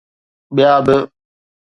ٻيا به.